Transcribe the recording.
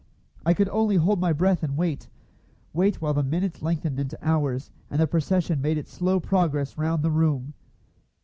I could only hold my breath and wait wait while the minutes lengthened into hours, and the procession made its slow progress round the room.